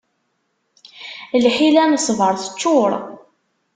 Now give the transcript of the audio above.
Lḥila n ssbaṛ teččur.